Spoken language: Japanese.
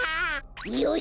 よし。